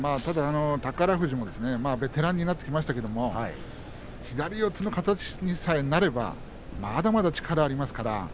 宝富士もベテランになってきましたけれども左四つの形になればまだまだ力があります。